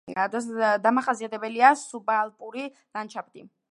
დამახასიათებელია სუბალპური ლანდშაფტი.